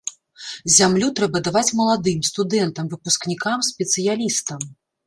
Зямлю трэба даваць маладым, студэнтам, выпускнікам, спецыялістам.